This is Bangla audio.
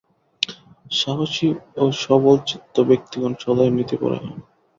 সাহসী ও সবলচিত্ত ব্যক্তিগণ সদাই নীতিপরায়ণ।